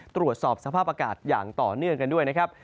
ตรวจสอบสภาพอากาศอย่างต่อเนื่องกันด้วยนะครับ